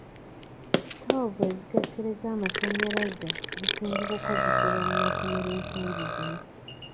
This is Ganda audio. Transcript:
Sitoovu ezikekkereza amasannyalaze zisinga kukozesebwa mu masomero ensangi zino.